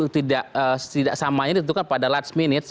tidak samanya ditentukan pada last minute